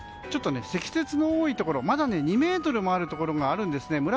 ちょっと積雪が多いところまだ２ｍもあるところがあるんですね。